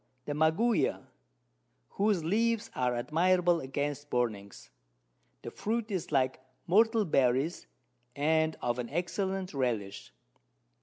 The Maguey, whose Leaves are admirable against Burnings; the Fruit is like Myrtle Berries, and of an excellent Relish.